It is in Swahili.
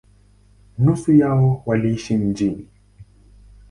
Nusu yao waliishi mjini.